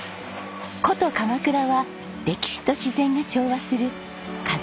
古都鎌倉は歴史と自然が調和する風薫る街です。